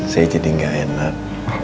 saya jadi gak enak